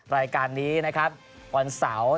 รายการนี้นะครับวันเสาร์